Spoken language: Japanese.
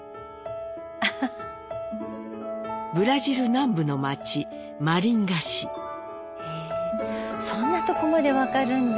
ブラジル南部の町マリンガ市。へそんなとこまで分かるんだ。